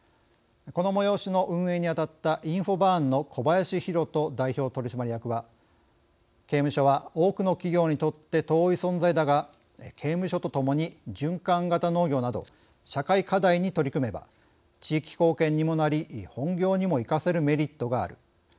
この催しの運営にあたったインフォバーンの小林弘人代表取締役は「刑務所は多くの企業にとって遠い存在だが刑務所とともに循環型農業など社会課題に取り組めば地域貢献にもなり本業にも生かせるメリットがある。